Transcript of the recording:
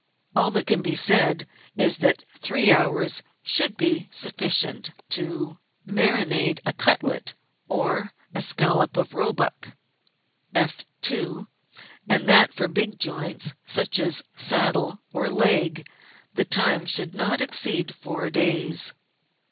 All that can be said is that three hours should be sufiScient to marinade a cutlet or escalope of roebuck, F 2 68 GUIDE TO MODERN COOKERY and that for big joints such as saddle or leg the time should not exceed four days.